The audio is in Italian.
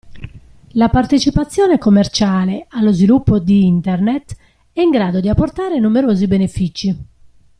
La partecipazione commerciale allo sviluppo di Internet è in grado di apportare numerosi benefici.